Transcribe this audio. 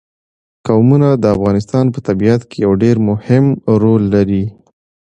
قومونه د افغانستان په طبیعت کې یو ډېر مهم رول لري.